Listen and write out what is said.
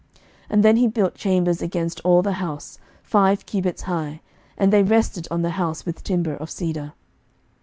11:006:010 And then he built chambers against all the house, five cubits high: and they rested on the house with timber of cedar.